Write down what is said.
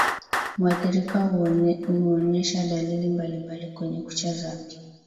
mwathirika huonesha dalili mbalimbali kwenye kucha zake